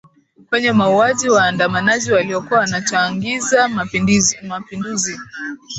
kwenye mauwaji ya waandamanaji waliokuwa wanachangiza mapinduzi